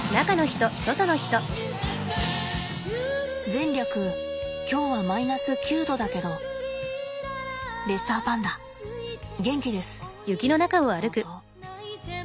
前略今日はマイナス９度だけどレッサーパンダ元気です。草々。